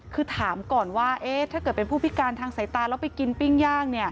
คือถามก่อนว่าถ้าเกิดเป็นผู้พิการทางสายตาแล้วไปกินปิ้งย่าง